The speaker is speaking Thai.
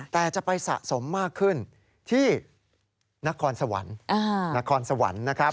แต่จะไปสะสมมากขึ้นที่นครสวรรค์